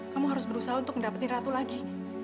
kamu harus berusaha untuk mendapatkan ratu lagi